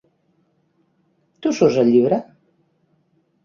Tu surts al llibre?